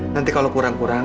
nanti kalau kurang kurang